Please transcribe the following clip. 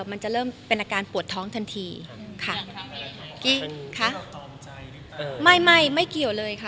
มันจะเริ่มเป็นอาการปวดท้องทันทีค่ะกิ้งค่ะไม่ไม่เกี่ยวเลยค่ะ